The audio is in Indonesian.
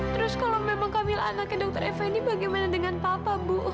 terus kalau memang kamil anaknya dr effendi bagaimana dengan papa bu